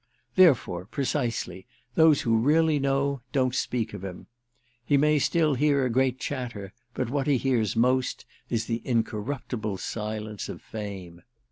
Therefore, precisely, those who really know don't speak of him. He may still hear a great chatter, but what he hears most is the incorruptible silence of Fame.